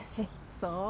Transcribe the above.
そう？